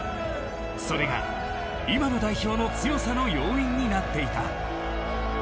それが、今の代表の強さの要因になっていた。